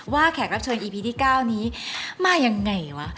แขกรับเชิญอีพีที่๙นี้มายังไงวะ